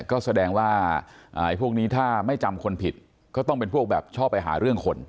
ก็แสดงว่าพวกนี้ถ้าไม่จำคนผิดก็ต้องเป็นพวกแบบชอบไปหาเรื่องคน